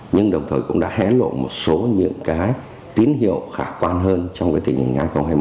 nhưng đồng thời cũng đã hé lộ một số những cái tín hiệu khả quan hơn trong cái tình hình hai nghìn hai mươi